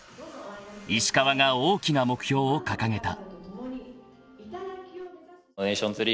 ［石川が大きな目標を掲げた］